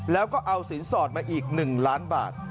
แล้วก็เอาสินสอดมาอีก๑ล้านบาท